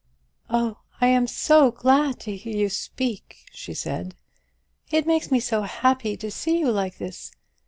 "Oh, I am so glad to hear you speak!" she said; "it makes me so happy to see you like this.